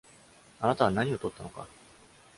あなたは何を取ったのか?